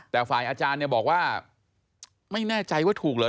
แต่ฝ่ายอาจารย์เนี่ยบอกว่าไม่แน่ใจว่าถูกเหรอ